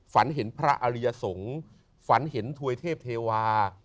ฝันเห็นพระอริยสงฆ์ฝันเห็นถวยเทพเทวา